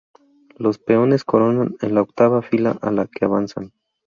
Los peones coronan en la octava fila a la que avanzan.